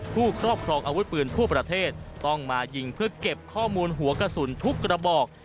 ครอบครองอาวุธปืนทั่วประเทศต้องมายิงเพื่อเก็บข้อมูลหัวกระสุนทุกกระบอก